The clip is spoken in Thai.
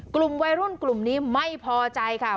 กลุ่มวัยรุ่นกลุ่มนี้ไม่พอใจค่ะ